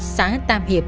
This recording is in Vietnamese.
xã tam hiệp